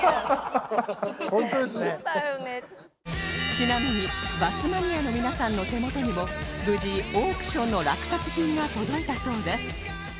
ちなみにバスマニアの皆さんの手元にも無事オークションの落札品が届いたそうです